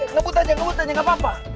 ngebut aja ngebut aja gak apa apa